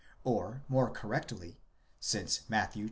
4° Or more cor rectly, since Matthew x.